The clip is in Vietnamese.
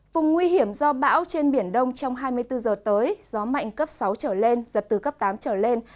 vùng nguy hiểm do bão trên biển đông trong hai mươi bốn giờ tới gió mạnh cấp sáu trở lên giật từ cấp tám trở lên